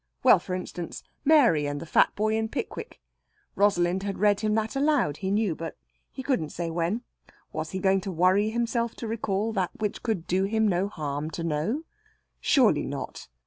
Well, for instance, Mary and the fat boy in "Pickwick." Rosalind had read him that aloud, he knew, but he couldn't say when. Was he going to worry himself to recall that which could do him no harm to know? Surely not.